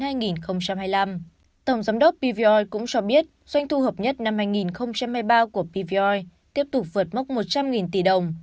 tổng giám đốc pvoi cũng cho biết doanh thu hợp nhất năm hai nghìn hai mươi ba của pvoi tiếp tục vượt mốc một trăm linh tỷ đồng